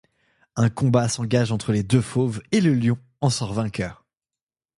Un combat s'engage entre les deux fauves et le lion en sort vainqueur.